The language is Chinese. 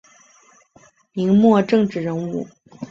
明末政治人物。